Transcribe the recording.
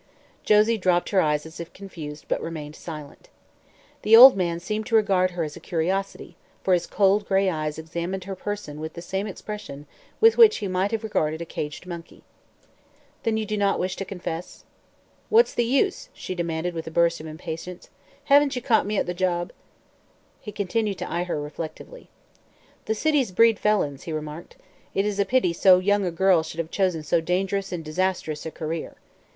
Josie dropped her eyes as if confused but remained silent. The old man seemed to regard her as a curiosity, for his cold gray eyes examined her person with the same expression with which he might have regarded a caged monkey. "Then you do not wish to confess?" "What's the use?" she demanded with a burst of impatience. "Haven't you caught me at the job?" He continued to eye her, reflectively. "The cities breed felons," he remarked. "It is a pity so young a girl should have chosen so dangerous and disastrous a career.